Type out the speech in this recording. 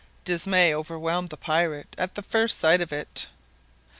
Dismay overwhelmed the pirate at first sight of it.